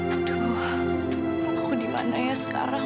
aduh aku dimana ya sekarang